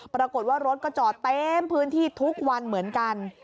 ปรากฏว่ารถก็จอดเต็มพื้นที่ทุกวันเหมือนกัน